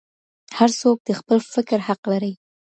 هر څوک د خپل فکر حق لري.